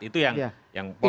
itu yang poinnya kan